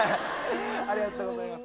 ありがとうございます。